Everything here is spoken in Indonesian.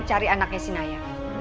cari anaknya si naya